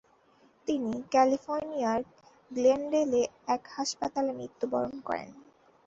তিনি ক্যালিফোর্নিয়ার গ্লেনডেলে এক হাসপাতালে মৃত্যুবরণ করেন।